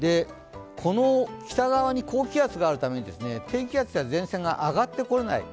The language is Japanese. この北側に高気圧があるため、低気圧や前線が上がってこれない。